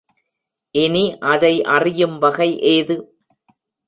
இனி அதை அறியும் வகை ஏது?